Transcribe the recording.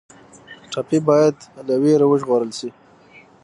ټپي ته باید له وېرې وژغورل شي.